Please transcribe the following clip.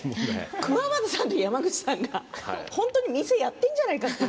くわばたさんと山口さんが本当にお店をやっているんじゃないかと。